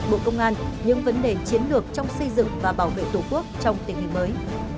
bộ công an những vấn đề chiến lược trong xây dựng và bảo vệ tổ quốc trong tình hình mới